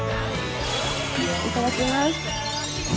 いただきます。